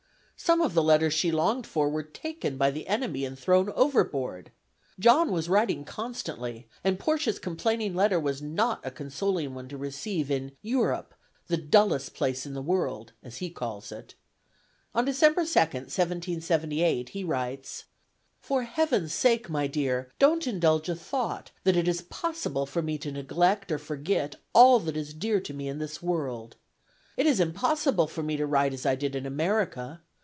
Some of the letters she longed for were taken by the enemy and thrown overboard. John was writing constantly, and Portia's complaining letter was not a consoling one to receive in "Europe, the dullest place in the world," as he calls it. On December 2d, 1778, he writes: "For Heaven's sake, my dear, don't indulge a thought that it is possible for me to neglect or forget all that is dear to me in this world. It is impossible for me to write as I did in America.